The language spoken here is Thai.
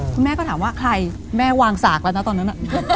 คุณแม่ก็ถามว่าใครแม่วางสากแล้วนะตอนนั้น